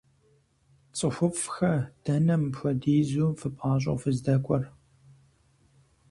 ЦӀыхуфӀхэ, дэнэ мыпхуэдизу фыпӀащӀэу фыздэкӀуэр?